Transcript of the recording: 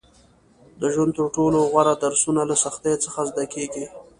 • د ژوند تر ټولو غوره درسونه له سختیو څخه زده کېږي.